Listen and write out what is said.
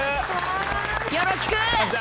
よろしく。